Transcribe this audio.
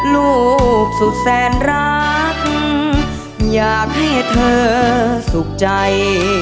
ลูกสุดแสนรักอยากให้เธอสุขใจ